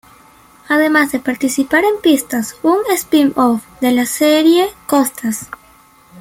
Además, de participar en Pista!, un spin-off de la serie Costa!.